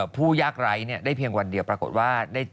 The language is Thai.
ผู้ยากไร้ได้เพียงวันเดียวปรากฏว่าได้